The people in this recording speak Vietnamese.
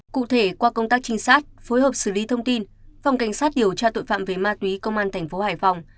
cụ thể qua công tác trinh sát phối hợp xử lý thông tin phòng cảnh sát điều tra tội phạm về ma túy công an thành phố hải phòng